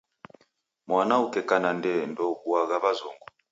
Mwana ukeka na ndee ndeuobuagha w'azungu.